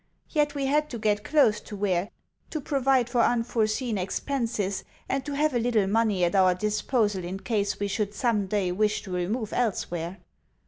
Yet we had to get clothes to wear, to provide for unforeseen expenses, and to have a little money at our disposal in case we should some day wish to remove elsewhere.